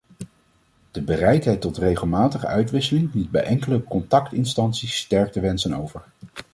De bereidheid tot regelmatige uitwisseling liet bij enkele contactinstanties sterk te wensen over.